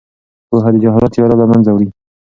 پوهه د جهالت تیاره له منځه وړي.